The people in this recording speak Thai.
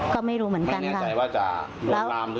ก็ไม่รู้เหมือนกันครับ